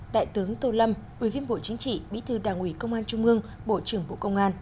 đại tướng tô lâm ủy viên bộ chính trị bí thư đảng ủy công an trung ương bộ trưởng bộ công an